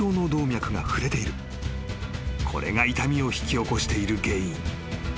［これが痛みを引き起こしている原因］